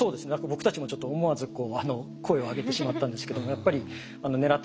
僕たちもちょっと思わず声を上げてしまったんですけどもやっぱり狙ってたものが取れた。